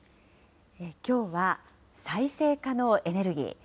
きょうは再生可能エネルギー。